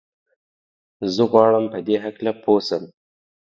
زه غواړم په دي هکله پوه سم.